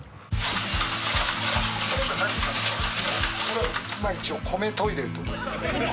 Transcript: これ今一応米といでるとこです。